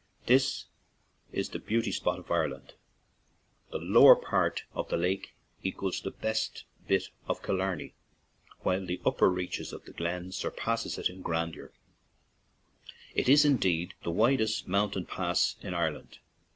This is the beauty spot of Ireland; the lower part of the lake equals the best bit 29 ON AN IRISH JAUNTING CAR of Killarney, while the upper reaches of the glen surpass it in grandeur ; it is indeed the wildest mountain pass in Ireland.